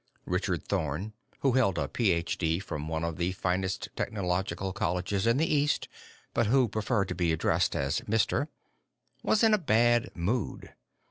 Richard Thorn who held a Ph.D. from one of the finest technological colleges in the East, but who preferred to be addressed as "Mister" was in a bad mood.